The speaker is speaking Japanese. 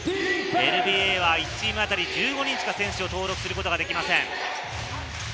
ＮＢＡは１チーム当たり１５人しか登録することができません。